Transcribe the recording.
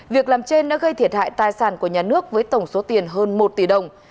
việc làm trên đã gây thiệt hại tài sản của nhà nước với tổng số tiền hơn một tỷ đồng